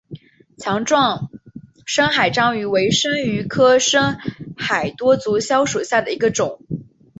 强壮深海章鱼为章鱼科深海多足蛸属下的一个种。